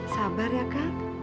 sabar ya kang